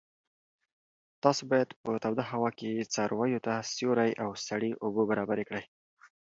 تاسو باید په توده هوا کې څارویو ته سیوری او سړې اوبه برابرې کړئ.